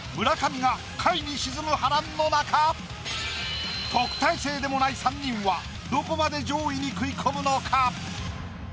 村上が下位に沈む波乱の中特待生でもない３人はどこまで上位に食い込むのか？